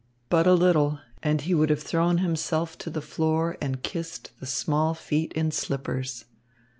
But a little, and he would have thrown himself to the floor and kissed the small feet in slippers.